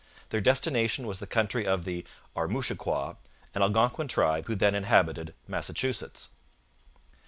Their destination was the country of the Armouchiquois, an Algonquin tribe who then inhabited Massachusetts.